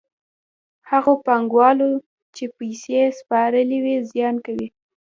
هغو پانګوالو چې پیسې سپارلې وي زیان کوي